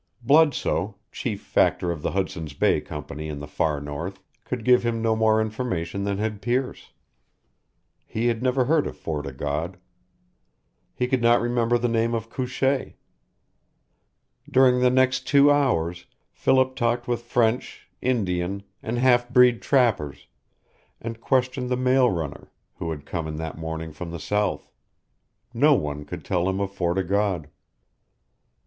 Bludsoe, chief factor of the Hudson's Bay Company in the far north, could give him no more information than had Pearce. He had never heard of Fort o' God. He could not remember the name of Couchee. During the next two hours Philip talked with French, Indian, and half breed trappers, and questioned the mail runner, who had come in that morning from the south. No one could tell him of Fort o' God.